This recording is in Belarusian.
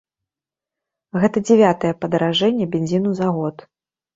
Гэта дзявятае падаражэнне бензіну за год.